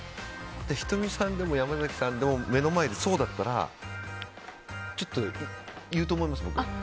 仁美さんでも山崎さんでも目の前でそうだったらちょっと言うと思います。